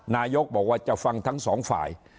นายกบอกว่าจะฟังทั้งสองฝ่าย